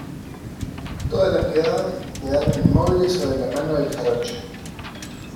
todas las miradas quedaron inmóviles sobre la mano del jarocho.